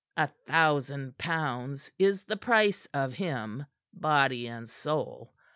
A thousand pounds is the price of him, body and soul.